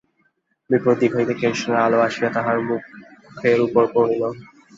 বিপরীত দিক হইতে কেরোসিনের আলো আসিয়া তাঁহার মুখের উপর পড়িল।